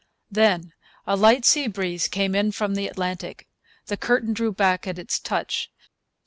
Then a light sea breeze came in from the Atlantic. The curtain drew back at its touch.